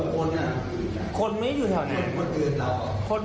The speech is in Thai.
พี่เกียจพูดด้วยแล้วจะจัดทาง